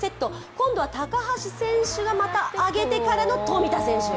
今度は高橋選手が上げてからの富田選手。